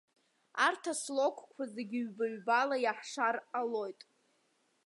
Арҭ аслогқәа зегьы ҩба-ҩбала иаҳшар ҟалоит.